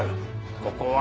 ここは。